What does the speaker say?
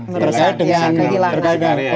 karena menurut saya kehilangan